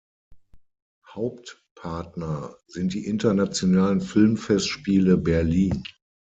Hauptpartner sind die Internationalen Filmfestspiele Berlin.